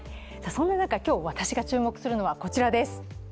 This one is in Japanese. そんな中、今日、私が注目するのはこちらです。